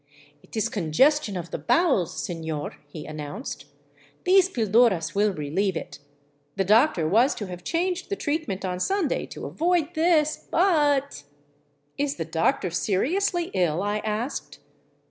" It is congestion of the bowels, sefior," he announced. " These pilduras will relieve it. The doctor was to have changed the treatment on Sunday to avoid this, but —" 300 THE ROOF OF PERU '' Is the doctor seriously ill? " I asked.